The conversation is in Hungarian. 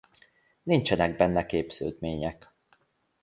Nincsenek benne képződmények.